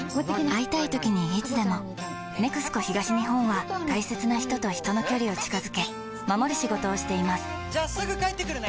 会いたいときにいつでも「ＮＥＸＣＯ東日本」は大切な人と人の距離を近づけ守る仕事をしていますじゃあすぐ帰ってくるね！